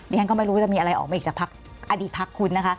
เราไม่รู้ว่าจะมีอะไรออกมาอีกจากอดีตพรรคคุณนะคะ